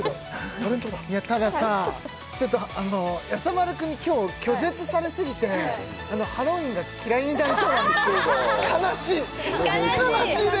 タレントだたださやさ丸くんに今日拒絶されすぎてハロウィーンが嫌いになりそうなんですけど悲しい悲しいです！